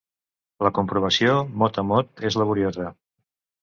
La comprovació mot a mot és laboriosa.